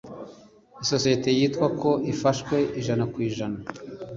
Isosiyete yitwa ko ifashwe ijana ku ijana